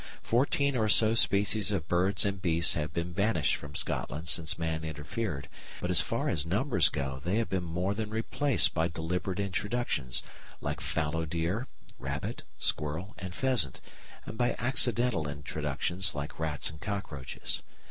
Fourteen or so species of birds and beasts have been banished from Scotland since man interfered, but as far as numbers go they have been more than replaced by deliberate introductions like fallow deer, rabbit, squirrel, and pheasant, and by accidental introductions like rats and cockroaches.